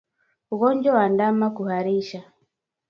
Ugonjwa wa ndama kuharisha